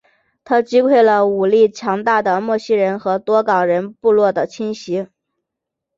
他击溃了武力强大的莫西人和多冈人部落的侵袭。